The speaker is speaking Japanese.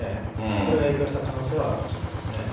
それが影響した可能性はあるかもしれないですね。